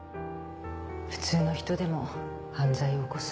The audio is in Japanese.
普通の人でも犯罪を起こす。